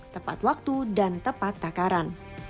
tepat waktu dan tepat takaran